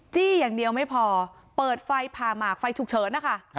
อย่างเดียวไม่พอเปิดไฟผ่าหมากไฟฉุกเฉินนะคะ